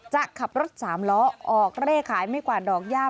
จะขับรถสามล้อออกเร่ขายไม่กวาดดอกย่า